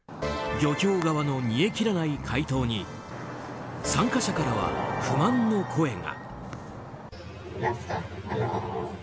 漁協側の煮え切らない回答に参加者からは不満の声が。